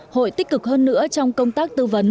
hội tích cực hơn nữa trong công tác tư vấn